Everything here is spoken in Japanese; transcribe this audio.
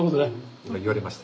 今言われました。